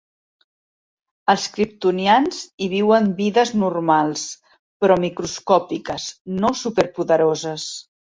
Els kriptonians hi viuen vides normals, però microscòpiques, no superpoderoses.